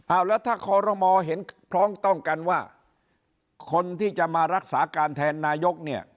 เอาแล้วถ้าคอรมอเห็นพร้อมต้องกันว่าคนที่จะมารักษาการแทนนายกเนี่ย